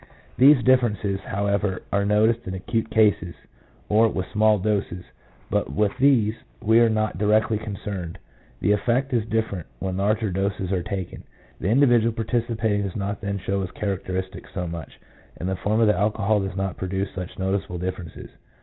These differences, however, are noticed in acute cases, or with small doses; but with these we are not directly concerned. The effect is different when larger doses are taken. 1 The individual participating does not then show his characteristics so much, and the form of the alcohol does not produce such notice able differences.